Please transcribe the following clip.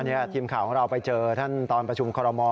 นี่ทีมข่าวของเราไปเจอท่านตอนประชุมคอรมอล